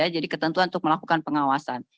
jadi ketentuan untuk melakukan pengawasan